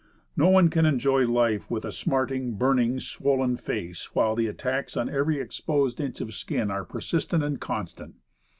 No one can enjoy life with a smarting, burning, swollen face, while the attacks on every exposed inch of skin are persistent and constant.